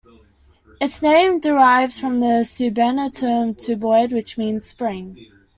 Its name derives from the Cebuano term "tubod" which means "spring".